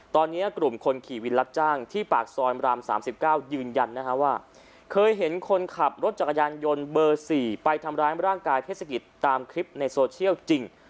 ตอนนี้กลุ่มคนขี่วินรับจ้างที่ปากซอยราม๓๙ยืนยันนะฮะว่าเคยเห็นคนขับรถจักรยานยนต์เบอร์๔ไปทำร้ายร่างกายเทศกิจตามคลิปในโซเชียลจริง